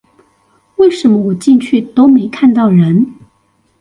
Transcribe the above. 為什麼我進去都沒看到人